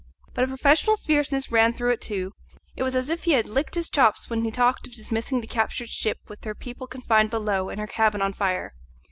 But a professional fierceness ran through it too; it was as if he had licked his chops when he talked of dismissing the captured ship with her people confined below and her cabin on fire.